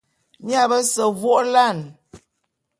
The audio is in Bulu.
Mia bese vô'ôla'an.